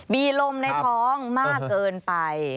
มีลมในท้องมากเกินไป